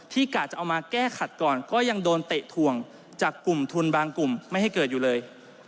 กะจะเอามาแก้ขัดก่อนก็ยังโดนเตะถ่วงจากกลุ่มทุนบางกลุ่มไม่ให้เกิดอยู่เลย